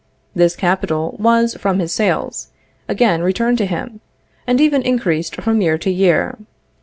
This capital was, from his sales, again returned to him, and even increased from year to year.